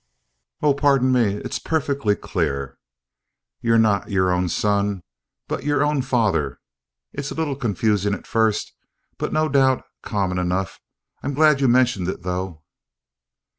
"Oh, pardon me, it's perfectly clear! you're not your own son, but your own father it's a little confusing at first, but no doubt common enough. I'm glad you mentioned it, though."